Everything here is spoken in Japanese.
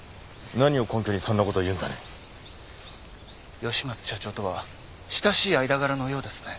吉松社長とは親しい間柄のようですね？